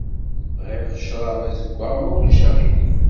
Bɣiɣ ccṛab azeggaɣ ma ulac aɣilif.